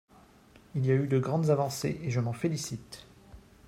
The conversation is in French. Il y a eu de grandes avancées, et je m’en félicite.